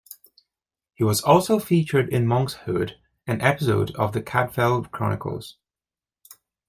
It was also featured in "Monk's Hood", an episode of "The Cadfael Chronicles".